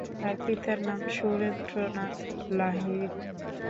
তার পিতার নাম সুরেন্দ্রনাথ লাহিড়ী।